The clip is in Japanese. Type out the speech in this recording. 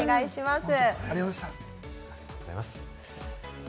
ありがとうございます。